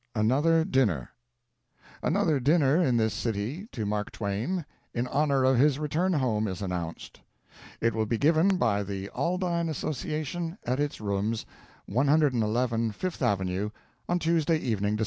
Another Dinner. Another dinner in this city to Mark Twain in honor of his return home is announced. It will be given by the Aldine Association at its rooms, 111 Fifth Avenue, on Tuesday evening, Dec.